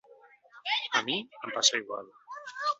A mi, em passa igual.